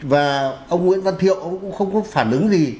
và ông nguyễn văn thiệu cũng không có phản ứng gì